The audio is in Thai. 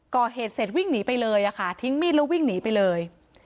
ก่อเหตุเสร็จวิ่งหนีไปเลยค่ะทิ้งมีดแล้ววิ่งหนีไปเลย